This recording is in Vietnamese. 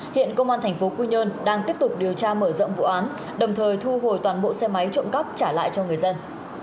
hiện công an tp quy nhơn đang tiếp tục điều tra mở rộng vụ án đồng thời thu hồi toàn bộ xe máy trộm cắp trả lại cho người dân